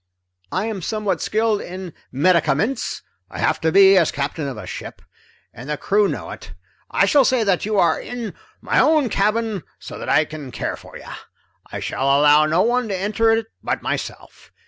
"I am somewhat skilled in medicaments I have to be, as captain of a ship, and the crew know it. I shall say that you are in my own cabin so that I can care for you. I shall allow no one to enter it but myself.